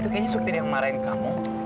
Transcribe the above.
itu kayaknya supir yang ngemaren kamu